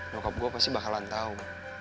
nyokap gue pasti bakalan tau